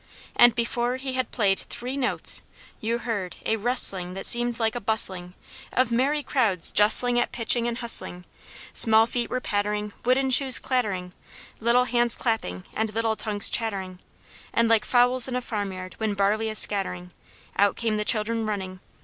And before he had played three notes, you heard a rustling, that seemed like a bustling Of merry crowds justling at pitching and hustling; Small feet were pattering, wooden shoes clattering, Little hands clapping and little tongues chattering, And like fowls in a farmyard when barley is scattering, Out came the children running.